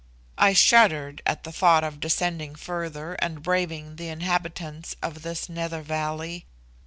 I shuddered at the thought of descending further and braving the inhabitants of this nether valley.